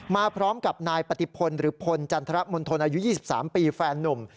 มาพร้อมกับนายปฏิพลหรือพลจันทรมณฑลอายุ๒๓ปีแฟนนุ่ม